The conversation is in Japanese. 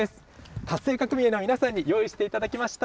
活性化組合の皆さんに用意していただきました。